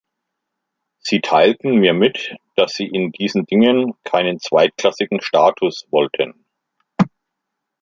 Sie teilten mir mit, dass sie in diesen Dingen keinen zweitklassigen Status wollten.